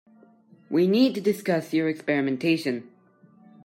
We need to discuss your experimentation.